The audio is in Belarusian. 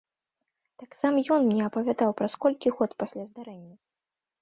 Так сам ён мне апавядаў праз колькі год пасля здарэння.